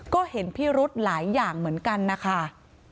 ก็เห็นพิรุธหลายอย่างเหมือนกันนะคะ